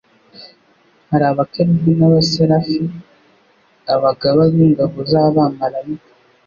Hari abakerubi n'abaserafi, abagaba b'ingabo z'abamaraika,